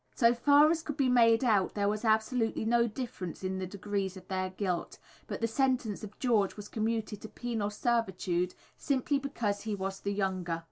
So far as could be made out, there was absolutely no difference in the degrees of their guilt; but the sentence of George was commuted to penal servitude simply because he was the younger.